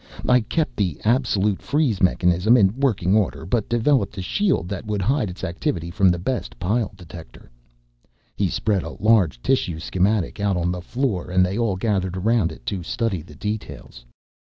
I kept the absolute freeze mechanism in working order, but developed a shield that would hide its activity from the best pile detector." He spread a large tissue schematic out on the floor and they all gathered around it to study the details.